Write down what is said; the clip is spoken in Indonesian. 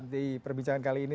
di perbincangan kali ini